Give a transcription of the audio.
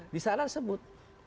di sana ada sebut